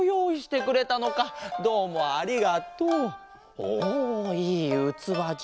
おいいうつわじゃ！